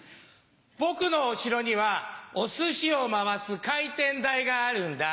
僕のお城には、おすしを回す回転台があるんだ。